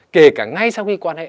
kể cả ngay sau khi quan hệ